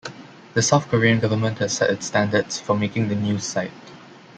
The South Korean government has set its standards for making the new site.